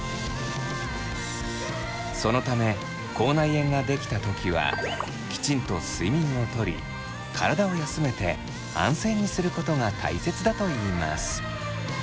そのため口内炎が出来た時はきちんと睡眠をとり体を休めて安静にすることが大切だといいます。